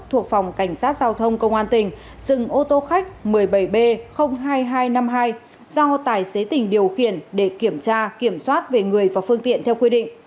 thuộc phòng cảnh sát giao thông công an tỉnh dừng ô tô khách một mươi bảy b hai nghìn hai trăm năm mươi hai do tài xế tình điều khiển để kiểm tra kiểm soát về người và phương tiện theo quy định